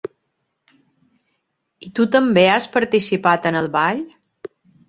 I tu també has participat en el ball?